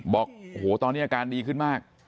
บอกโอ้โหตอนนี้อาการดีขึ้นมาก